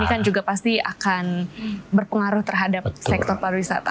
ini kan juga pasti akan berpengaruh terhadap sektor pariwisata